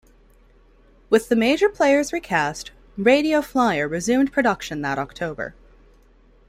With the major players recast, "Radio Flyer" resumed production that October.